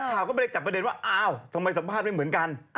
ข่าวก็เลยจับประเด็นว่าอ้าวทำไมสัมภาษณ์ไม่เหมือนกัน